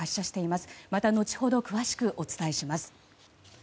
また後ほど詳しくお伝えします。